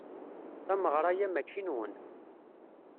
Tameɣra-a mačči nwen.